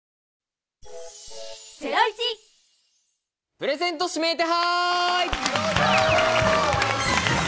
プレゼント指名手配！